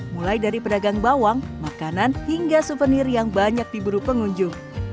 mulai dari pedagang bawang makanan hingga souvenir yang banyak diburu pengunjung